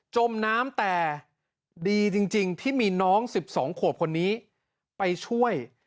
จมน้ำแต่ดีจริงที่มีน้อง๑๒ขวบคนนี้ไปช่วย